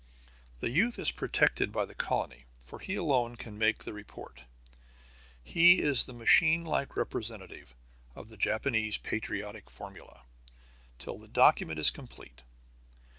The youth is protected by the colony, for he alone can make the report. He is the machine like representative of the Japanese patriotic formula, till the document is complete.